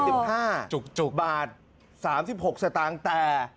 โอ้โห๓๕บาท๓๖สตางค์แต่